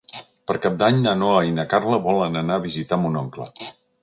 Per Cap d'Any na Noa i na Carla volen anar a visitar mon oncle.